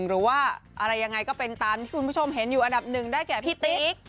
หรือว่าอะไรยังไงก็เป็นตามที่คุณผู้ชมเห็นอยู่อันดับหนึ่งได้แก่พี่ติ๊ก